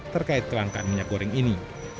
terkait kelangkaan minyak goreng ini